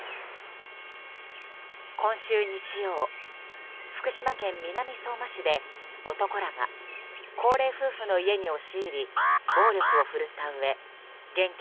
今週日曜福島県南相馬市で男らが高齢夫婦の家に押し入り暴力をふるったうえ現金